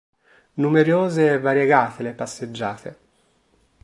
Numerose e variegate le passeggiate.